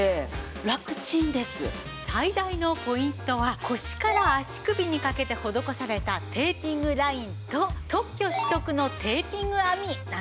最大のポイントは腰から足首にかけて施されたテーピングラインと特許取得のテーピング編みなんですよね。